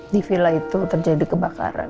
di villa itu terjadi kebakaran